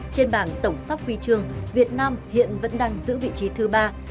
trên bảng tổng sóc huy chương việt nam hiện vẫn đang dựa vào những tấm huy chương đầu tiên đầy tự hào